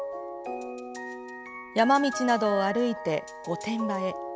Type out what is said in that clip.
山道などを歩いて御殿場へ。